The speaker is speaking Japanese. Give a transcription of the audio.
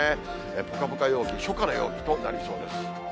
ぽかぽか陽気、初夏の陽気となりそうです。